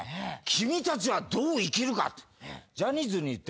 君たちはどう生きるか。